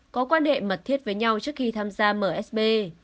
có quan hệ mật thiết với nhau trước khi tham gia msb